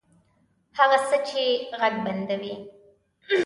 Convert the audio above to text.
هغه څه چې ږغ بندوي